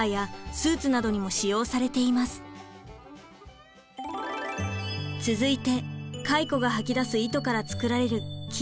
続いて蚕が吐き出す糸から作られる絹。